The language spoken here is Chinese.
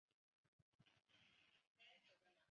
目前还不清楚她是否会继续从事体操运动。